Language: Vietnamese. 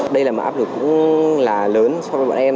đây là một áp lực cũng là lớn so với bọn em